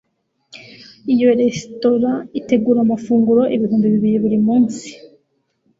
iyo resitora itegura amafunguro ibihumbi bibiri buri munsi